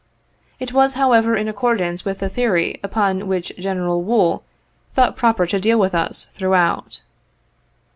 It was, however, in accordance with the theory upon which General Wool thought proper to deal with us throughout.